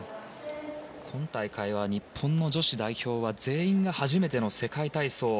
今大会、日本の女子代表は全員が初めての世界体操。